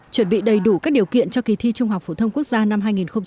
chuẩn bị đầy đủ các điều kiện cho kỳ thi trung học phổ thông quốc gia năm hai nghìn một mươi chín